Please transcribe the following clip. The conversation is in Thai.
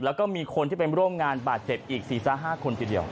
แล้วก็มีคนที่เป็นร่วมงานบาดเจ็บอีกสี่ส่าห้าคนเดียวกัน